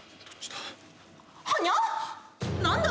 何だ？